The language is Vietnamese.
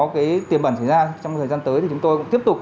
cái tiềm bẩn xảy ra trong thời gian tới thì chúng tôi tiếp tục